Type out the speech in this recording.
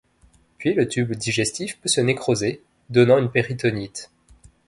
Puis le tube digestif peut se nécroser, donnant une péritonite.